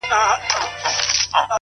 o خیال دي،